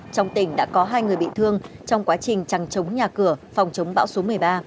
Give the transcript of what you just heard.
trong tỉnh đã có hai người bị thương trong quá trình trắng trống nhà cửa phòng chống bão số một mươi ba